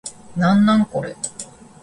なんなんこれ